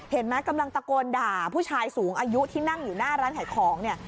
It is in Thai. เห็นไหมกำลังตะโกนด่าผู้ชายสูงอายุที่นั่งอยู่หน้าร้านไขของ